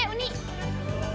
terima kasih pak